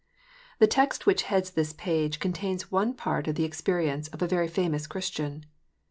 THE text which heads this page, contains one part of the ex perience of a very famous Christian.